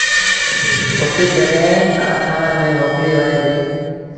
ڦُٽيٚ جڏهيݩ کآرکآݩآݩ ميݩ موڪليٚ وهي ديٚ